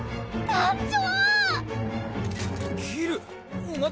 団長。